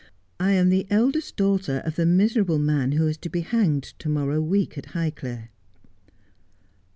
I am the eldest daughter of the miserable man who is to be hanged to morrow week at Highclere.'